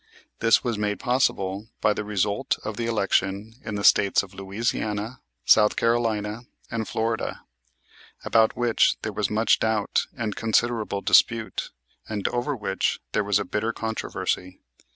This was made possible by the result of the election in the States of Louisiana, South Carolina, and Florida, about which there was much doubt and considerable dispute, and over which there was a bitter controversy.